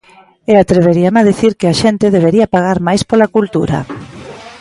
E atreveríame a dicir que a xente debería pagar máis pola cultura.